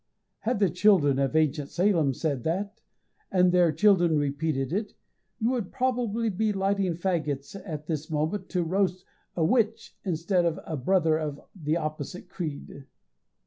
Had the children of ancient Salem said that, and their children repeated it, you would probably be lighting faggots at this moment to roast a "witch," instead of a brother of the opposite creed.